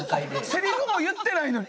セリフも言ってないのに？